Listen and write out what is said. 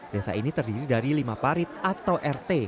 desa ini terdiri dari lima parit atau rt